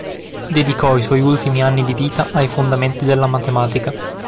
Dedicò i suoi ultimi anni di vita ai fondamenti della matematica.